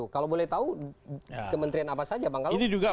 kalau boleh tahu kementerian apa saja bang kalau